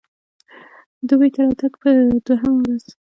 دوبۍ ته د راتګ په دوهمه ورځ.